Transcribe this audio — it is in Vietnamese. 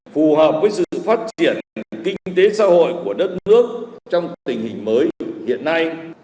phù hợp với sự phát triển kinh tế xã hội của đất nước trong tình hình mới hiện nay